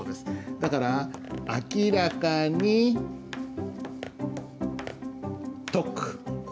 だから「明らかに説く」